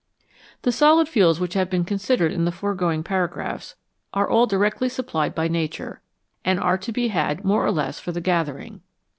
The solid fuels which have been considered in the fore going paragraphs are all directly supplied by Nature, and are to be had more or less for the gathering.